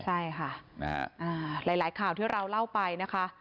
ใช่ค่ะหลายข่าวที่เราเล่าไปนะคะ